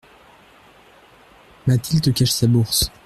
Mathilde cache sa bourse.